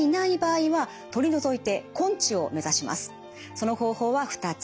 その方法は２つ。